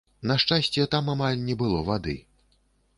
На шчасце, там амаль не было вады.